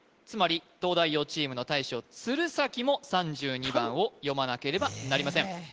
つまり東大王チームの大将・鶴崎も３２番を読まなければなりません